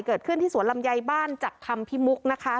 เกิดขึ้นที่สวนลำไยบ้านจักคำพิมุกนะคะ